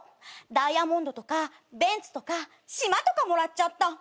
ダイヤモンドとかベンツとか島とかもらっちゃった。